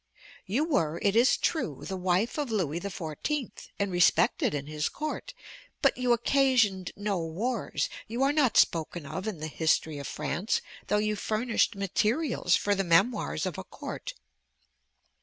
You were, it is true, the wife of Louis XIV., and respected in his court, but you occasioned no wars; you are not spoken of in the history of France, though you furnished materials for the memoirs of a court.